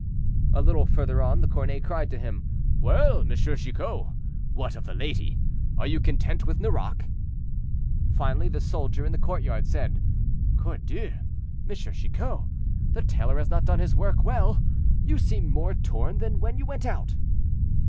A little further on the cornet cried to him, "Well, M. Chicot, what of the lady; are you content with Nerac?" Finally, the soldier in the courtyard said, "Cordieu! M. Chicot, the tailor has not done his work well; you seem more torn than when you went out."